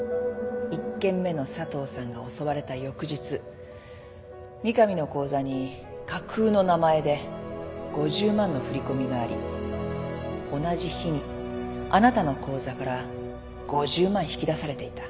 １件目の佐藤さんが襲われた翌日三上の口座に架空の名前で５０万の振り込みがあり同じ日にあなたの口座から５０万引き出されていた。